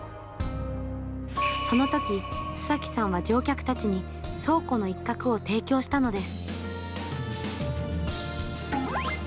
その時、須崎さんは乗客たちに倉庫の一角を提供したのです。